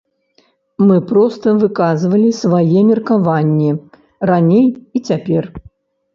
Мы проста выказвалі свае меркаванні раней і цяпер.